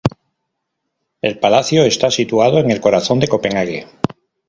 El palacio está situado en el corazón de Copenhague.